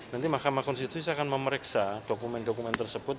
nanti mahkamah konstitusi akan memeriksa dokumen dokumen tersebut